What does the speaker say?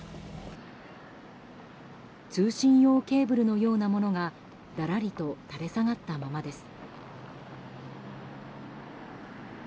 通信用ケーブルのようなものがだらりと垂れ下がったままです。